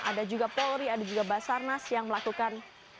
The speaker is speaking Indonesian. ada juga polri ada juga basarnas yang melakukan